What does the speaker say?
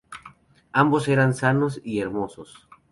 Ambos eran sanos y hermosos.